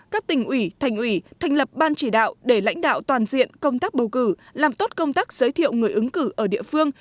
các tỉnh ủy thành ủy thành lập ban chỉ đạo để lãnh đạo toàn diện công tác bầu cử làm tốt công tác giới thiệu người ứng cử ở địa phương